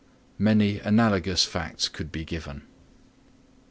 Many analogous facts could be given.